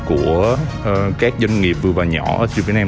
của các doanh nghiệp vừa và nhỏ ở thị trường việt nam